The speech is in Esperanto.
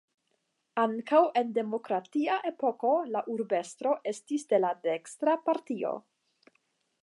Ankaŭ en demokratia epoko la urbestro estis de la dekstra partio.